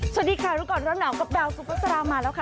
สวัสดีค่ะร้อนหนาวกับแบลว์ซูเปอร์สารามาแล้วค่ะ